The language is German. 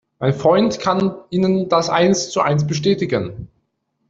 Mein Freund kann Ihnen das eins zu eins bestätigen.